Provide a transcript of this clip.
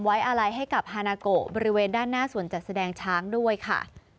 อาลัยให้กับฮานาโกบริเวณด้านหน้าสวนจัดแสดงช้างด้วยค่ะ